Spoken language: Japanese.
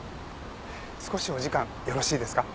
少しお時間よろしいですか？